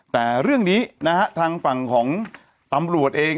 แต่เรื่องนี้นะฮะทางฝั่งของ